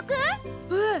うん！